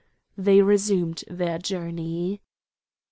They resumed their journey.